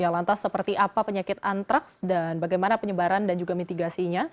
lantas seperti apa penyakit antraks dan bagaimana penyebaran dan juga mitigasinya